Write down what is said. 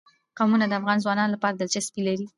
قومونه د افغان ځوانانو لپاره دلچسپي لري.